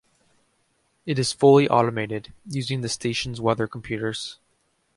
It is fully automated, using the station's weather computers.